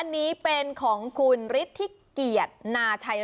นี่คือเทคนิคการขาย